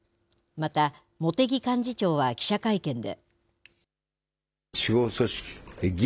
また、茂木幹事長は記者会見で。